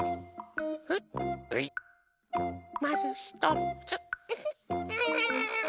まずひとつ。